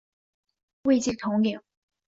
位阶统领。